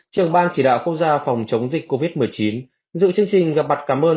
trường bang chỉ đạo khu gia phòng chống dịch covid một mươi chín dự chương trình gặp mặt cảm ơn